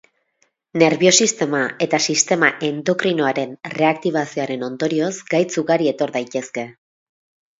Nerbio-sistema eta sistema endokrinoaren reaktibazioaren ondorioz gaitz ugari etor daitezke.